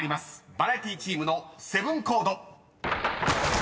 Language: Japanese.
［バラエティチームのセブンコード］